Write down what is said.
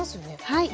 はい。